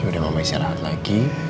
yaudah mama isi lahat lagi